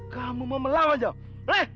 kamu mau melawan jawab